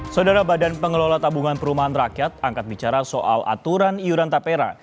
saudara badan pengelola tabungan perumahan rakyat angkat bicara soal aturan iuran tapera